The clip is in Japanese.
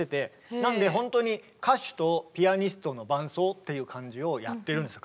なんでほんとに歌手とピアニストの伴奏っていう感じをやってるんですよ。